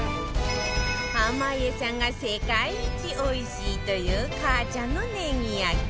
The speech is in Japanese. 濱家さんが世界一おいしいというかあちゃんのネギ焼き